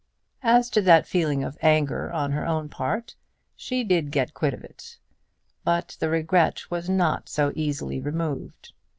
As to that feeling of anger on her own part, she did get quit of it; but the regret was not to be so easily removed.